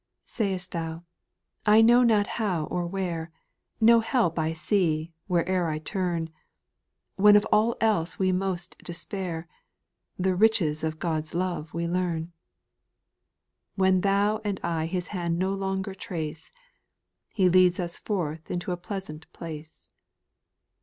.' 8. ■ Say'st thou, I know not how or where, No help I see, where'er I turn ; When of all else we most despair. The riches of God's love we learn. When thou and I His hand no longer trace, He leads us forth into a pleasant place.